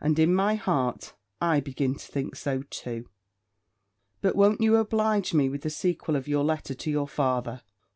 And in my heart, I begin to think so too. But won't you oblige me with the sequel of your letter to your father?